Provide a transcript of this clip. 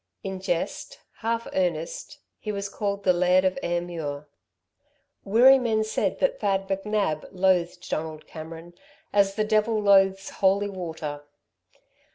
In jest, half earnest, he was called the Laird of Ayrmuir. Wirree men said that Thad McNab loathed Donald Cameron "as the devil loathes holy water."